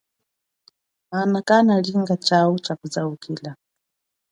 Ana malinga chau chakuzaukila.